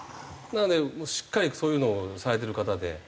なのでしっかりそういうのをされてる方で。